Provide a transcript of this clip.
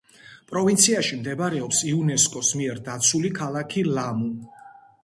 პროვინციაში მდებარეობს იუნესკოს მიერ დაცული ქალაქი ლამუ.